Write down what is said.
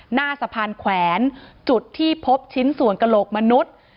หน้าสะพานแขวนจุดที่พบชิ้นส่วนกระโหลกมนุษย์